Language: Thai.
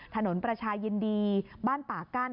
ถนนประชายินดีบ้านป่ากั้น